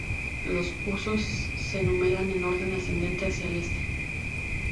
Los husos se numeran en orden ascendente hacia el este.